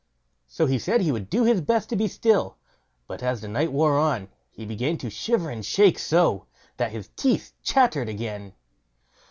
So he said he would do his best to be still; but as the night wore on, he began to shiver and shake so, that his teeth chattered again.